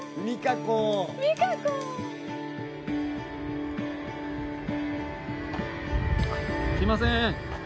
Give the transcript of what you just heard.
あっすいません。